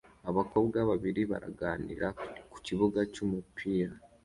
Abakobwa babiri baraganira ku kibuga cy'umupira